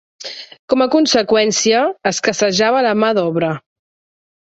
Com a conseqüència, escassejava la mà d'obra.